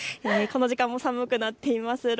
この時間も寒くなっています。